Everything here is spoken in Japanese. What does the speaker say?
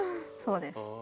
そうです。